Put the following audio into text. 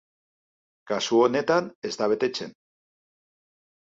Kasu honetan, ez da betetzen.